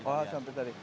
oh seperti tadi